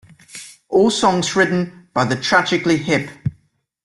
All songs written by The Tragically Hip.